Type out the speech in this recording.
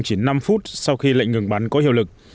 chỉ năm phút sau khi lệnh ngừng bắn có hiệu lực